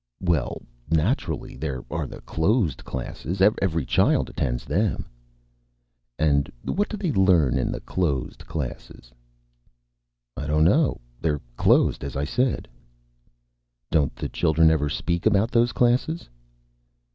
"Well, naturally there are the closed classes. Every child attends them." "And what do they learn in the closed classes?" "I don't know. They're closed, as I said." "Don't the children ever speak about those classes?"